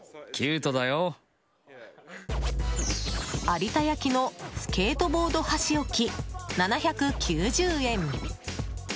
有田焼のスケートボード箸置き７９０円。